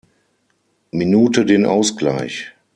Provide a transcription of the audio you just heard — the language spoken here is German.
Minute den Ausgleich.